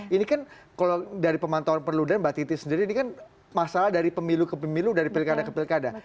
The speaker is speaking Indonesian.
ini kan kalau dari pemantauan perludem mbak titi sendiri ini kan masalah dari pemilu ke pemilu dari pilkada ke pilkada